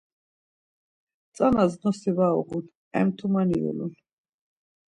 Tzanas nosi var uğun emtumani yulun.